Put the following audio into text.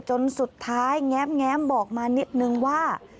จนสุดท้ายแง้มบอกมานิดนึงว่า